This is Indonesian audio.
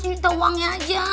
minta uangnya aja